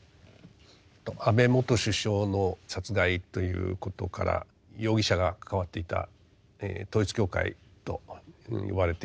安倍元首相の殺害ということから容疑者が関わっていた統一教会と呼ばれている団体の人権侵害がですね